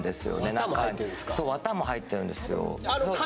中に綿も入ってるんですか？